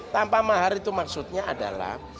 pertama hari itu maksudnya adalah